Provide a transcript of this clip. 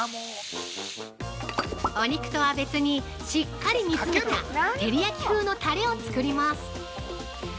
◆お肉とは別にしっかり煮詰めた照り焼き風のタレを作ります。